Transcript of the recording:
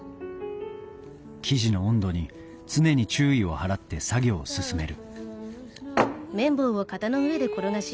生地の温度に常に注意を払って作業を進める